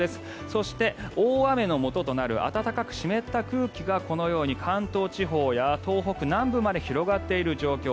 そして、大雨のもととなる暖かく湿った空気がこのように関東地方や東北南部まで広がっている状況。